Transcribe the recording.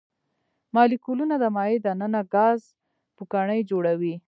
مالیکولونه د مایع د ننه ګاز پوکڼۍ جوړوي.